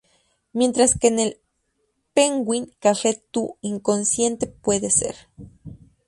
Mientras que en el Penguin Cafe tu inconsciente puede ser.